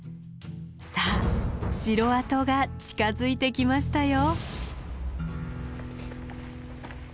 さあ城跡が近づいてきましたよ。